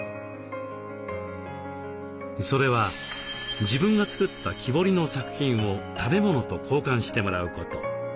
それは自分が作った木彫りの作品を食べ物と交換してもらうこと。